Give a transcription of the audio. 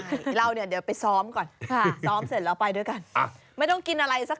เราเดี๋ยวไปซ้อมก่อน